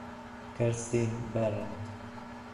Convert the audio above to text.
Kerstin Behrendt